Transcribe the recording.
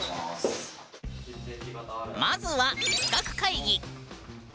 まずは企画会議。